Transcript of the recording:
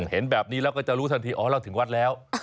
เห็นแบบนี้แล้วก็จะรู้ทันทีอ๋อเราถึงวัดแล้ว